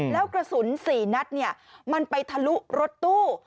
แล้วกระสุน๔นัดมันไปทะลุรถตู้